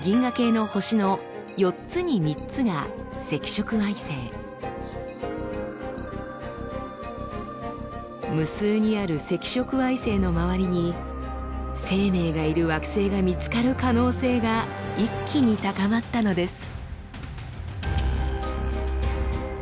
実は無数にある赤色矮星の周りに生命がいる惑星が見つかる可能性が一気に高まったのです。